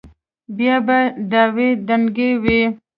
بيا به دعوې دنگلې وې.